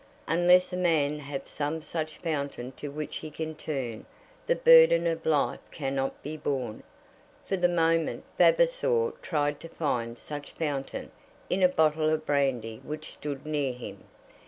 Unless a man have some such fountain to which he can turn, the burden of life cannot be borne. For the moment, Vavasor tried to find such fountain in a bottle of brandy which stood near him.